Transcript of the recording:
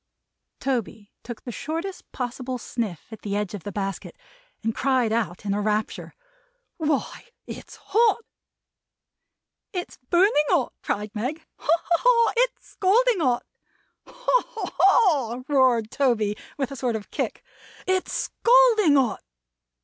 Toby took the shortest possible sniff at the edge of the basket, and cried out in a rapture: "Why, it's hot!" "It is burning hot!" cried Meg. "Ha, ha, ha! It's scalding hot!" "Ha, ha, ha!" roared Toby, with a sort of kick. "It's scalding hot!"